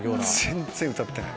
全然歌ってない。